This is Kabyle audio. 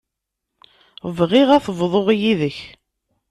Bɣiɣ ad t-bḍuɣ yid-k.